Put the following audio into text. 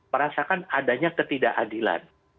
merasakan adanya ketidakadilan